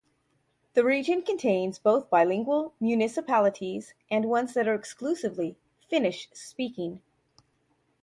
The region contains both bilingual municipalities and ones that are exclusively Finnish-speaking.